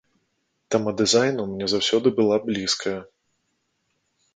Тэма дызайну мне заўсёды была блізкая.